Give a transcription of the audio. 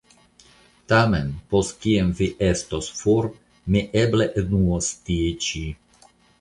Tamen, post kiam vi estos for, mi eble enuos tie ĉi.